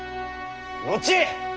後